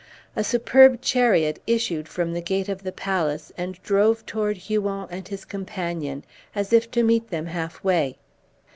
A superb chariot issued from the gate of the palace, and drove toward Huon and his companion, as if to meet them half way.